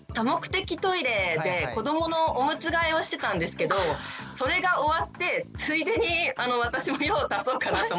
子どものおむつ替えをしてたんですけどそれが終わってついでに私も用を足そうかなと思って。